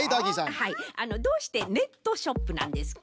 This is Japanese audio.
はいあのどうしてネットショップなんですか？